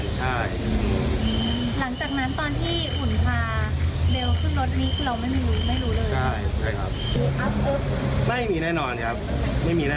หลังจากนั้นตอนที่อุ่นพาเบลขึ้นรถนี้คือเราไม่รู้เลย